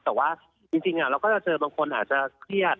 แต่ว่าจริงเราก็จะเจอบางคนอาจจะเครียด